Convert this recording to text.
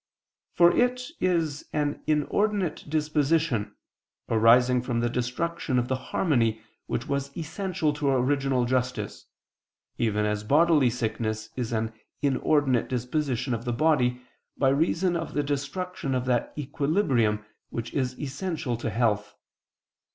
For it is an inordinate disposition, arising from the destruction of the harmony which was essential to original justice, even as bodily sickness is an inordinate disposition of the body, by reason of the destruction of that equilibrium which is essential to health.